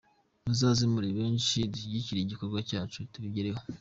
Muzaze muri benshi tukigire igikorwa cyacu, tubigereho.